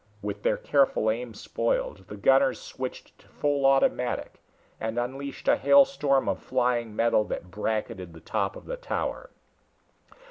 With their careful aim spoiled, the gunners switched to full automatic and unleashed a hailstorm of flying metal that bracketed the top of the tower.